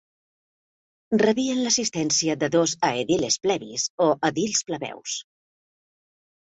Rebien l'assistència de dos aediles plebis o edils plebeus.